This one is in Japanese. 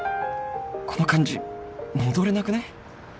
この感じ戻れなくね！？